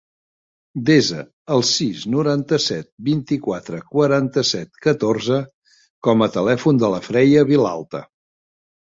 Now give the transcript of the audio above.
Desa el sis, noranta-set, vint-i-quatre, quaranta-set, catorze com a telèfon de la Freya Vilalta.